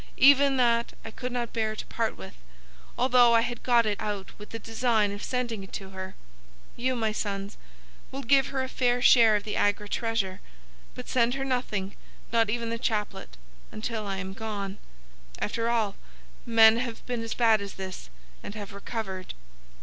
Even that I could not bear to part with, although I had got it out with the design of sending it to her. You, my sons, will give her a fair share of the Agra treasure. But send her nothing—not even the chaplet—until I am gone. After all, men have been as bad as this and have recovered.